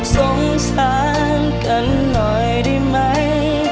สงสารกันหน่อยได้ไหม